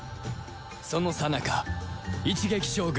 そのさなか一撃将軍